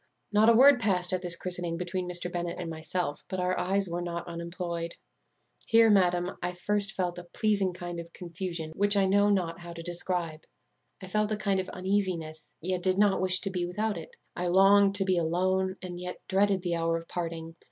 "Not a word passed at this christening between Mr. Bennet and myself, but our eyes were not unemployed. Here, madam, I first felt a pleasing kind of confusion, which I know not how to describe. I felt a kind of uneasiness, yet did not wish to be without it. I longed to be alone, yet dreaded the hour of parting.